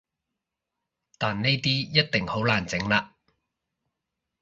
但呢啲一定好難整喇